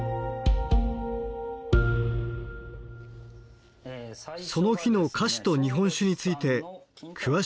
その日の菓子と日本酒について詳しく解説を行います。